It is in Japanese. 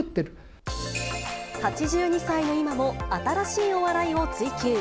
８２歳の今も新しいお笑いを追求。